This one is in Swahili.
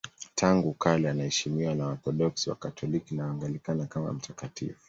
Tangu kale anaheshimiwa na Waorthodoksi, Wakatoliki na Waanglikana kama mtakatifu.